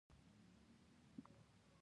هلک د امید دروازه ده.